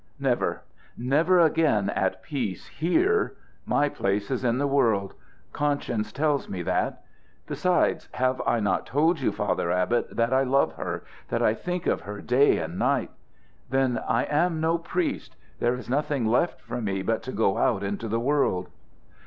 "Never! Never again at peace here! My place is in the world. Conscience tells me that. Besides, have I not told you, Father Abbot, that I love her, that I think of her day and night? Then I am no priest. There is nothing left for me but to go out into the world."